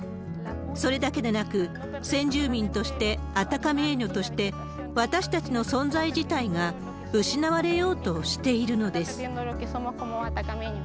それだけでなく、先住民として、アタカメーニョとして私たちの存在自体が失われようとしているのです。